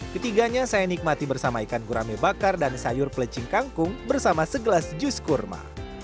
ketiganya saya nikmati bersama ikan gurame bakar dan sayur pelecing kangkung bersama segelas jus kurma